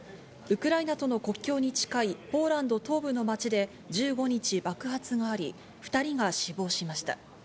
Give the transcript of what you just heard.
ウクライナとの国境に近いポーランド東部の町で１５日爆発があり、２人が死亡しました。